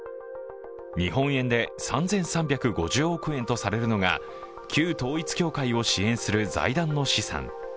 日本円で３３５０億円とされるのが旧統一教会を支援する財団の資産。